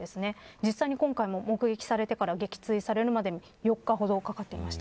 実際に今回も目撃されてから撃墜されるまでに４日ほどかかってました。